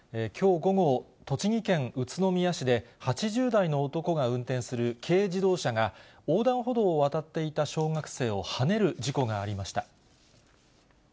きょう午後、栃木県宇都宮市で、８０代の男が運転する軽自動車が、横断歩道を渡っていた小学生をはねる事故がありました。